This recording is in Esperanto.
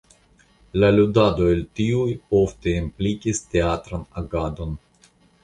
La ludado el tiuj ofte implikis teatran agadon.